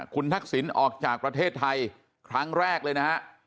คุณทักษิณออกจากประเทศไทยครั้งแรกเลยนะฮะ